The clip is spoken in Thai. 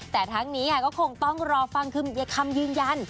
แต่ทั้งนี้ก็คงต้องรอฟังคือคำยืนยัน